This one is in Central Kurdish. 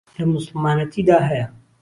له موسوڵمانهتی دا ههیه